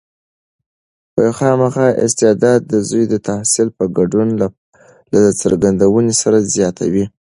خامخا استعداد د زوی د تحصیل په ګډون له څرګندونې سره زیاتوي.